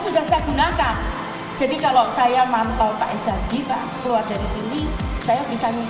sekarang ini di surabaya dengan kamera saya